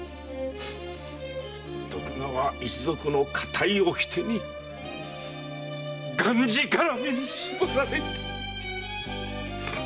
徳川一族の固い掟にがんじがらめに縛られて。